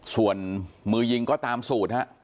ส่วนมือยิงก็ตามสูตรฮะ